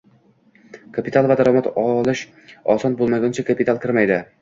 kapital va daromad olish oson bo'lmaguncha kapital kirmaydi